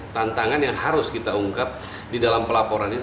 tantangan yang harus kita ungkap di dalam pelaporan ini